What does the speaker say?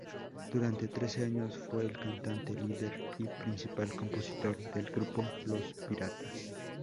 Durante trece años fue el cantante, líder y principal compositor del grupo Los Piratas.